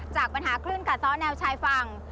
จากปัญหาคลื่นกัดซ้อแนวชายฝั่ง